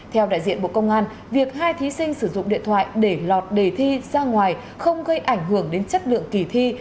theo đại diện bộ công an việc hai thí sinh sử dụng điện thoại để lọt đề thi ra ngoài không gây ảnh hưởng đến chất lượng kỳ thi